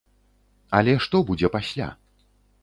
Але што будзе пасля?